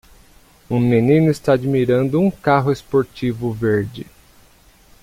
Um menino está admirando um carro esportivo verde.